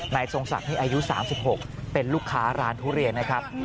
ทรงศักดิ์นี่อายุ๓๖เป็นลูกค้าร้านทุเรียนนะครับ